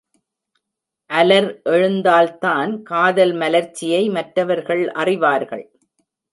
அலர் எழுந்தால் தான் காதல் மலர்ச்சியை மற்றவர்கள் அறிவார்கள்.